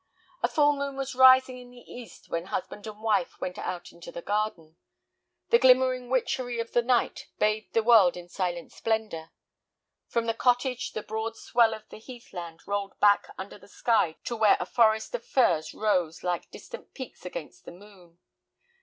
A full moon was rising in the east when husband and wife went out into the garden. The glimmering witchery of the night bathed the world in silent splendor. From the cottage the broad swell of the heathland rolled back under the sky to where a forest of firs rose like distant peaks against the moon.